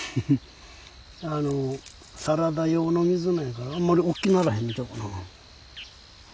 サラダ用の水菜やからあんまりおっきならへん。